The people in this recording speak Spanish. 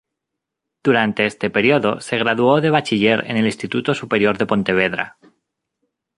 Durante este periodo se graduó de bachiller en el Instituto Superior de Pontevedra.